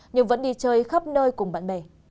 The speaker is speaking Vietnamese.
nhưng vẫn đi chơi khắp nơi cùng bạn bè